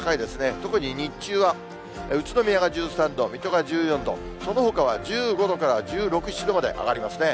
特に日中は宇都宮が１３度、水戸が１４度、そのほかは１５度から１６、７度まで上がりますね。